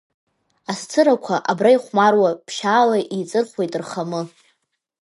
Асцырақәа абра ихәмаруа, ԥшьаала еиҵырхуеит рхамы.